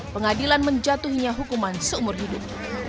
pengadilan menjatuhinya hukuman seumur hidup